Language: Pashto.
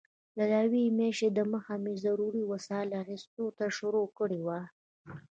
له یوې میاشتې دمخه مې د ضروري وسایلو اخیستلو ته شروع کړې وه.